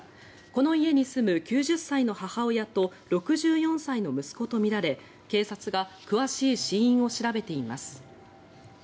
この家に住む９０歳の母親と６４歳の息子とみられ警察が詳しい死因を調べています。